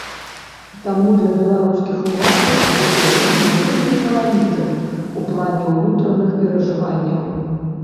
Таму для беларускіх уладаў гэты год быў вельмі хваравітым у плане ўнутраных перажыванняў.